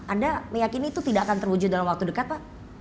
anda meyakini itu tidak akan terwujud dalam waktu dekat pak